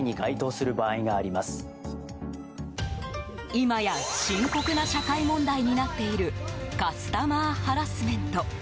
今や、深刻な社会問題になっているカスタマーハラスメント。